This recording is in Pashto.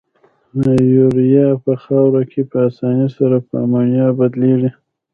یوریا په خاوره کې په اساني سره په امونیا بدلیږي.